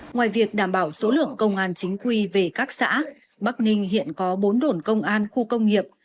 ngoài việc đảm bảo số lượng công an chính quy về các xã bắc ninh hiện có bốn đổn công an khu công nghiệp